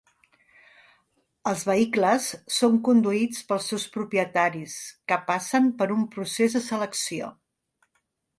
Els vehicles són conduïts pels seus propietaris que passen per un procés de selecció.